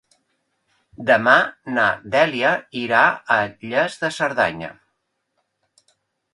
Demà na Dèlia irà a Lles de Cerdanya.